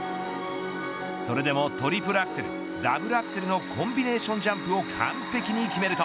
それでもトリプルアクセルダブルアクセルのコンビネーションジャンプを完璧に決めると